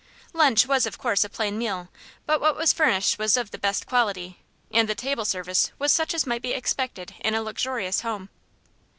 Lunch was, of course, a plain meal, but what was furnished was of the best quality, and the table service was such as might be expected in a luxurious home.